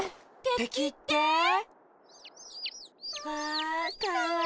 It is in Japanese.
てきって？わかわいい。